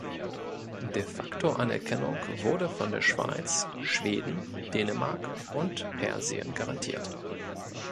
De-facto-Anerkennung wurde von der Schweiz, Schweden, Dänemark und Persien garantiert.